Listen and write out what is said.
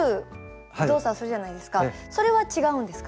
それは違うんですか？